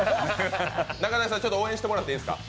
中谷さん、応援してもらっていいですか？